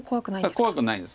怖くないです。